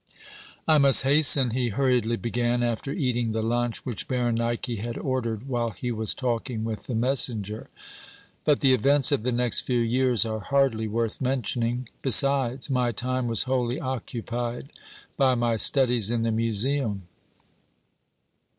"I must hasten," he hurriedly began, after eating the lunch which Berenike had ordered while he was talking with the messenger, "but the events of the next few years are hardly worth mentioning. Besides, my time was wholly occupied by my studies in the museum.